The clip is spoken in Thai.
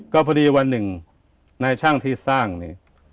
ก็พอดีวันหนึ่งนายช่างที่สร้างนี่